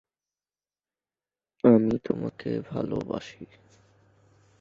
রামকৃষ্ণ মিশনের যে সব শাখা বিদেশে অবস্থিত, সেগুলি সাধারণত বেদান্ত সোসাইটি নামেই পরিচিত।